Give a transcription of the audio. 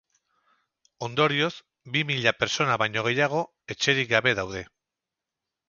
Ondorioz, bi mila pertsona baino gehiago etxerik gabe daude.